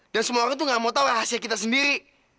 dan semua orang tuh gak mau tau rahasia kita sendiri